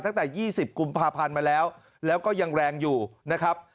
ตั้งแต่๒๐กุมภาพันธ์มาแล้วแล้วก็ยังแรงอยู่นะครับ